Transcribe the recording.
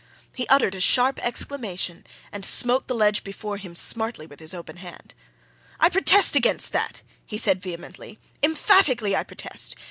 He uttered a sharp exclamation and smote the ledge before him smartly with his open hand. "I protest against that!" he said vehemently. "Emphatically, I protest!